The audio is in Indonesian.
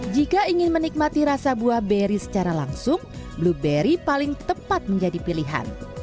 jika ingin menikmati rasa buah beri secara langsung blueberry paling tepat menjadi pilihan